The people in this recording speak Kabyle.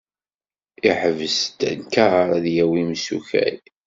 Iḥbes-d lkar ad yawi imessukal.